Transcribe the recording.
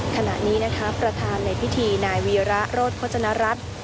ขณะนี้นะคะประธานในพิธีนายวีระโรธโภจนรัฐ